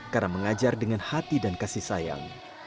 karena mengajar dengan hati dan kasih sayang